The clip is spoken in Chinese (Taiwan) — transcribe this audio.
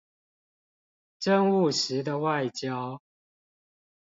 真務實的外交